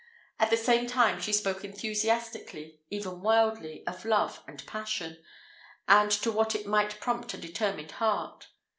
At the same time she spoke enthusiastically, even wildly, of love and passion, and to what it might prompt a determined heart.